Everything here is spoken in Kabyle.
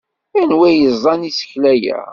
Anwa i yeẓẓan isekla-a?